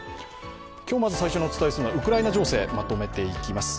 今日まず最初にお伝えするのはウクライナ情勢、まとめていきます。